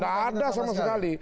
tidak ada sama sekali